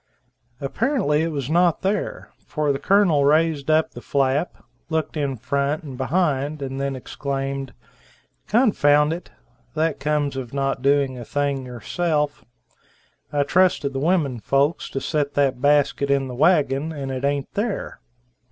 Apparently it was not there. For the Colonel raised up the flap, looked in front and behind, and then exclaimed, "Confound it. That comes of not doing a thing yourself. I trusted to the women folks to set that basket in the wagon, and it ain't there."